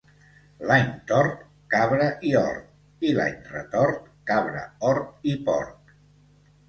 L'any tort, cabra i hort; i l'any retort, cabra, hort i porc.